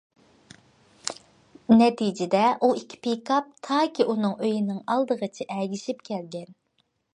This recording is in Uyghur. نەتىجىدە، ئۇ ئىككى پىكاپ تاكى ئۇنىڭ ئۆيىنىڭ ئالدىغىچە ئەگىشىپ كەلگەن.